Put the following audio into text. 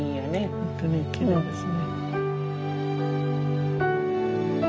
本当にきれいですね。